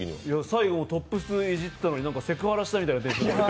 最後、トップスいじったのにセクハラしたみたいな。